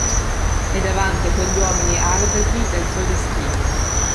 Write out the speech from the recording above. E davanti a quegli uomini arbitri del suo destino.